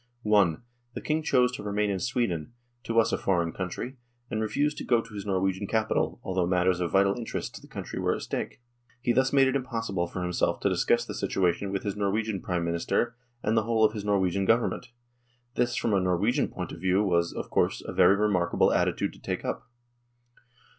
I. The King chose to remain in Sweden to us a foreign country and refused to go to his Norwegian capital, although matters of vital interest to the country were at stake. He thus made it impossible for himself to discuss the situation with his Norwegian Prime Minister and the whole of his Norwegian Government. This, from a Norwegian point of view, was, of course, a very remarkable attitude to take up.